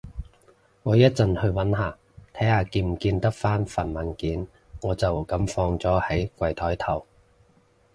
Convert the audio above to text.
我一陣去搵下，睇下見唔見得返份文件，我就噉放咗喺佢枱頭